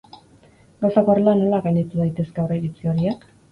Gauzak horrela, nola gainditu daitezke aurreiritzi horiek?